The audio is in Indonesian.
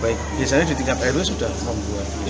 baik biasanya di tingkat rw sudah membuat